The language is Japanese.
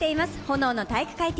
「炎の体育会ＴＶ」。